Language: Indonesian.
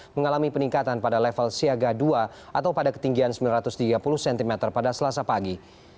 mengalami peningkatan pada level siaga dua atau pada ketinggian sembilan ratus tiga puluh cm pada selasa pagi